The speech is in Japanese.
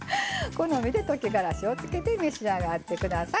好みで溶きがらしをつけて召し上がって下さい。